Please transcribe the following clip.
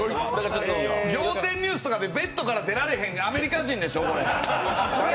仰天ニュースとかで、ベッドから出られへんアメリカ人ってやつでしょ。